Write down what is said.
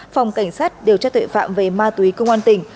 phòng cảnh sát điều tra tuệ phạm về ma túy công an tỉnh